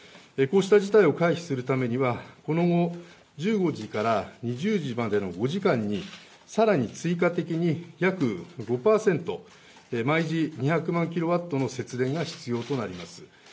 こうした事態を回避するためには、１５時から２０時までの５時間にさらに追加的に約５％、毎時２００万ｋＷの節電が必要となります。